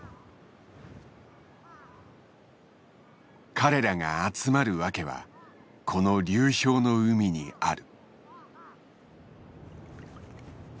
彼らが集まる訳はこの流氷の海にある。